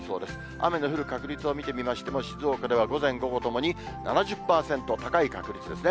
雨の降る確率を見てみますと、静岡では午前、午後ともに、７０％、高い確率ですね。